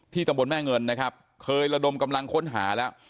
ที่ตำบลแม่เงินเคยระดมกำลังค้นหาแล้ว